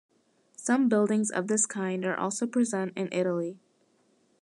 Some buildings of this kind are also present in Italy.